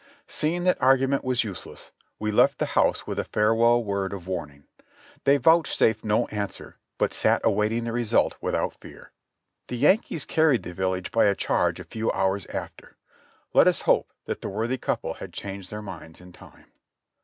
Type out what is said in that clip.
Seeing that argument was useless, we left the house with a farewell word of warning; they vouchsafed no answer, but sat awaiting the result without fear. The Yankees carried the village by a charge a few hours after; let us hope that the worthy couple had changed their minds in time.